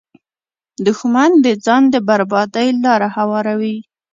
دښمن د ځان د بربادۍ لاره هواروي